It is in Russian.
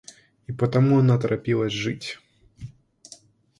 и потому она торопилась жить